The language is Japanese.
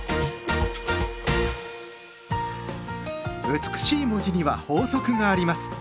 美しい文字には法則があります。